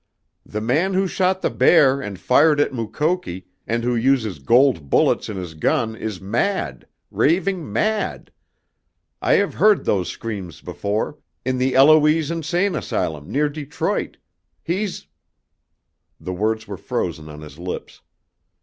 "The man who shot the bear and fired at Mukoki and who uses gold bullets in his gun is mad raving mad! I have heard those screams before in the Eloise insane asylum, near Detroit. He's " The words were frozen on his lips.